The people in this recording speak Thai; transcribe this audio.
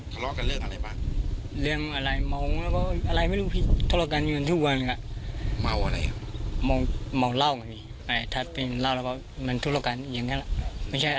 ถ้าไปเล่าแล้วก็คุณลองกันอย่างนั้นไม่ใช่อะไรเลยพวกเรื่องยารามีไหมครับอย่างยา